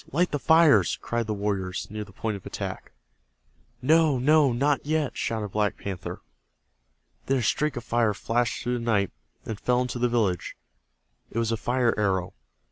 Light the fires!" cried the warriors near the point of attack. "No, no, not yet!" shouted Black Panther. Then a streak of fire flashed through the night, and fell into the village. It was a fire arrow.